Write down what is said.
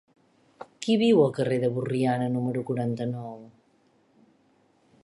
Qui viu al carrer de Borriana número quaranta-nou?